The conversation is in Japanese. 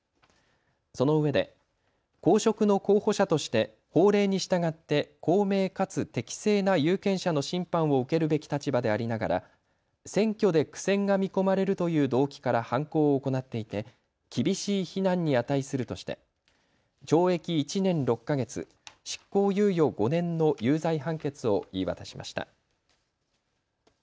そのうえで公職の候補者として法令に従って公明かつ適正な有権者の審判を受けるべき立場でありながら選挙で苦戦が見込まれるという動機から犯行を行っていて厳しい非難に値するとして懲役１年６か月、執行猶予５年の有罪判決を言い渡しました。